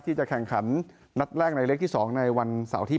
ที่จะแข่งขันนัดแรกในเล็กที่๒ในวันเสาร์ที่๘